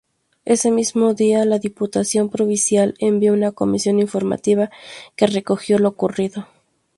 Ese mismo día, la Diputación Provincial envió una comisión informativa que recogió lo ocurrido.